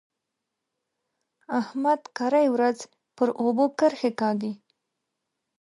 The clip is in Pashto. احمد کرۍ ورځ پر اوبو کرښې کاږي.